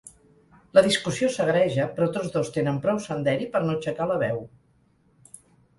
La discussió s'agreja, però tots dos tenen prou senderi per no aixecar la veu.